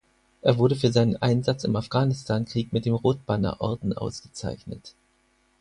Er wurde für seinen Einsatz im Afghanistankrieg mit dem Rotbannerorden ausgezeichnet.